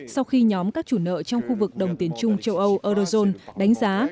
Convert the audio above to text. sau khi nhóm các chủ nợ trong khu vực đồng tiền chung châu âu eurozone đánh giá